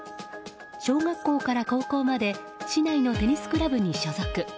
小学校から高校まで市内のテニスクラブに所属。